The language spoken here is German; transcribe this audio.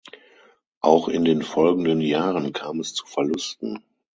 Auch in den folgenden Jahren kam es zu Verlusten.